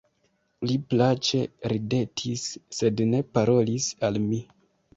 Li plaĉe ridetis, sed ne parolis al mi.